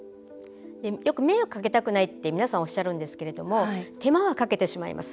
よく迷惑をかけたくないって皆さんおっしゃるんですけれども手間は、かけてしまいます。